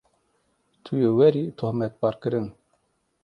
Tu yê werî tohmetbarkirin.